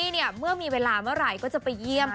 เนี่ย๔ปี